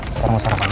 sekarang masalah mana